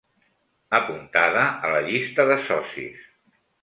Apuntada a la llista de socis.